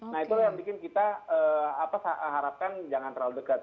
nah itulah yang bikin kita harapkan jangan terlalu dekat